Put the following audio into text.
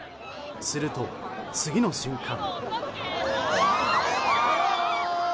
すると、次の瞬間。